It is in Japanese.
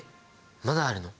まだあるの？